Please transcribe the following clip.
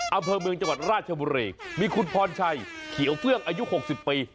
อำเภอเมืองจังหวัดราชบุรีมีคุณพรชัยเขียวเฟื่องอายุ๖๐ปี